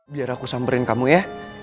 biar aku samperin kamu ya